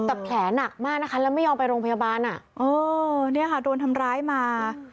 แต่แผลหนักมากนะคะแล้วไม่ยอมไปโรงพยาบาลอ่ะเออเนี่ยค่ะโดนทำร้ายมา